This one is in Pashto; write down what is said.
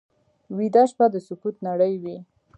ویده شپه د سکوت نړۍ وي